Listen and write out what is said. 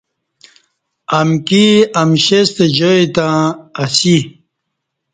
امکی امشیں ستہ جائی تہ اسی